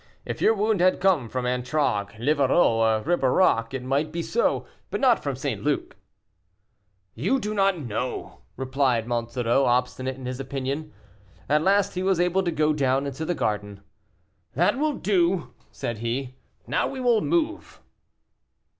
If your wound had come from Antragues, Livarot, or Ribeirac, it might be so; but not from St. Luc." "You do not know," replied Monsoreau, obstinate in his opinion. At last he was able to go down into the garden. "That will do," said he; "now we will move."